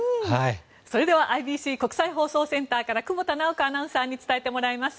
それでは、ＩＢＣ・国際放送センターから久保田直子アナウンサーに伝えてもらいます。